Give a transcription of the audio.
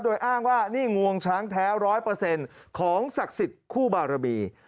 โดยอ้างว่านี่งวงช้างแท้ร้อยเปอร์เซ็นต์ของศักดิ์สิทธิ์คู่บารมี